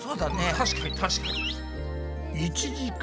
確かに確かに。